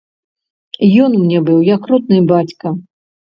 Ён мне быў як родны бацька.